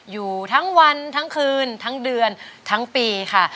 อยู่ทั้งวันทั้งคืนทั้งเดือนทั้งปีค่ะ